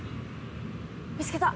「見つけた！」